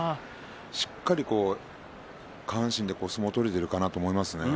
しっかりと下半身で相撲を取れているかなという感じがします。